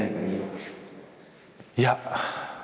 いや。